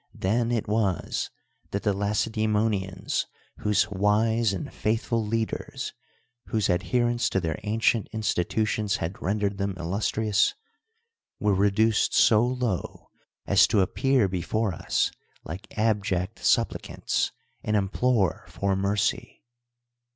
then it was that the Lacedasmonians, whose wise and faithful leaders, whose adherence to their ancient institutions had rendered them illustrious, were reduced so low as to appear before us, like abject supplicants, and implore for mercy.